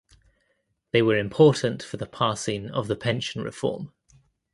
They were important for the passing of the pension reform.